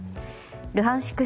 ルハンシク